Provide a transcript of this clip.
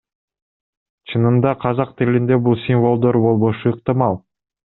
Чынында казак тилинде бул символдор болбошу ыктымал.